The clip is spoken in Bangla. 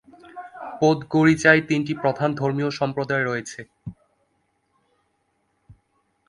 পোদগোরিচায় তিনটি প্রধান ধর্মীয় সম্প্রদায় রয়েছে।